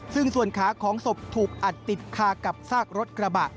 ซึ่งส่วนขาของศพถูกอัดติดคากับซากรถกระบะ